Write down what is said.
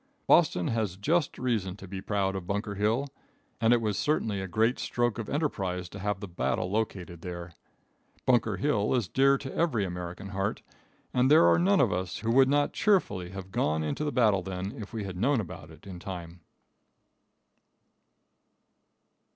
Boston has just reason to be proud of Bunker Hill, and it was certainly a great stroke of enterprise to have the battle located there. Bunker Hill is dear to every American heart, and there are none of us who would not have cheerfully gone into the battle then if we had known about it in time.